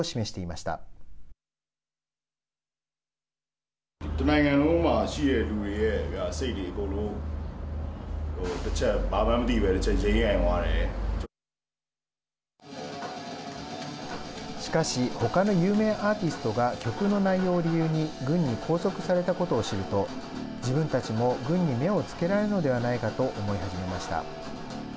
しかし他の有名アーティストが曲の内容を理由に軍に拘束されたことを知ると自分たちも軍に目をつけられるのではないかと思い始めました。